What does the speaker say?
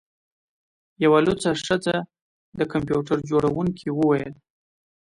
یوه لوڅه ښځه د کمپیوټر جوړونکي وویل